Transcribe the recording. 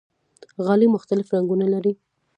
غالۍ مختلف رنګونه لري.